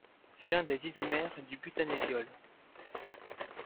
C'est l'un des isomères du butanediol.